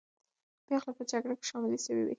پېغلې به په جګړه کې شاملې سوې وې.